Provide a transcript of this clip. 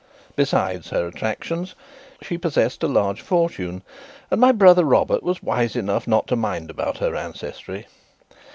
Besides her attractions, she possessed a large fortune, and my brother Robert was wise enough not to mind about her ancestry.